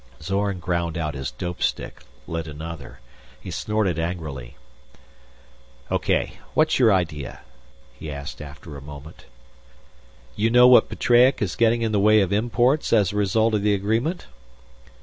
Zorn ground out his dope stick, lit another. He snorted angrily. "Okay; what's your idea?" he asked after a moment. "You know what Petreac is getting in the way of imports as a result of the agreement?"